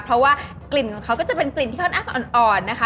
เพราะว่ากลิ่นของเขาก็จะเป็นกลิ่นที่ค่อนข้างอ่อนนะคะ